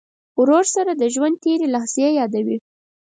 ورور سره د ژوند تېرې لحظې یادوې.